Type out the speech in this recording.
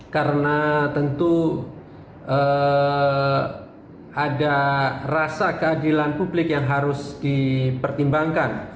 karena tentu ada rasa keadilan publik yang harus dipertimbangkan